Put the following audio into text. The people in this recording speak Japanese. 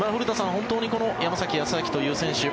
本当この山崎康晃という選手